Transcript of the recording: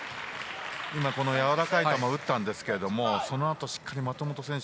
今、やわらかい球を打ったんですけどそのあと、しっかり松本選手